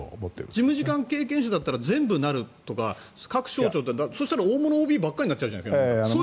それは事務次官経験者だったら全部なるとか各省庁そしたら大物ＯＢばかりになっちゃうじゃないですか。